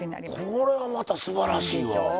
これはまたすばらしいわ。でしょう。